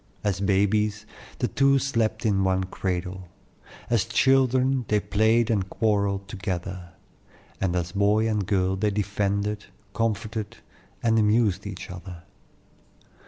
As babies, the two slept in one cradle; as children they played and quarrelled together; and as boy and girl they defended, comforted, and amused each other.